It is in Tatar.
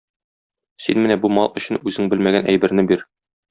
Син менә бу мал өчен үзең белмәгән әйберне бир.